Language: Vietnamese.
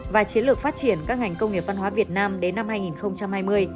và chiến lược phát triển các ngành công nghiệp văn hóa việt nam đến năm hai nghìn hai mươi